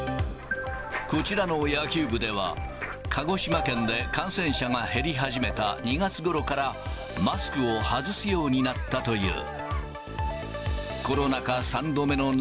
こちらの野球部では、鹿児島県で感染者が減り始めた２月ごろから、マスクを外すようになったという。